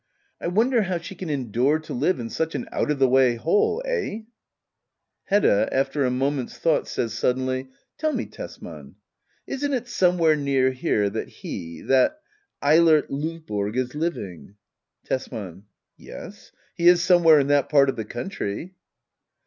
I wonder how she can endure to live in such an out of the way hole — eh ? Hedda. [After a moment's thought, says suddenly, '\ Tell me, Tesman — isn't it somewhere near there that he — that — Eilert Lovborg is living ? Tesman. Yes, he is somewhere in that part of the country.